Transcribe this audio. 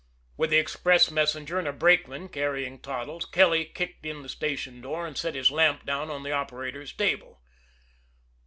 With the express messenger and a brakeman carrying Toddles, Kelly kicked in the station door, and set his lamp down on the operator's table.